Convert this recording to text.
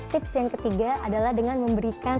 tips yang ketiga adalah dengan memberikan